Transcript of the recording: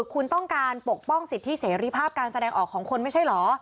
คุณต้องการปกป้องสิทธิเสรีภาพการแสดงออกของคนไม่ใช่เหรอ